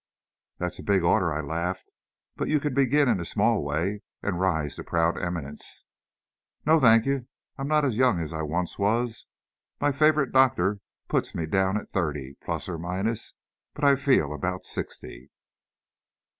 "That's a big order," I laughed. "But you can begin in a small way and rise to a proud eminence " "No, thanky! I'm not as young as I once was, my favorite doctor puts me down at thirty, plus or minus, but I feel about sixty."